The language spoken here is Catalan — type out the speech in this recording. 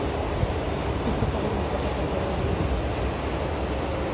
Qui protagonitza aquest esdeveniment?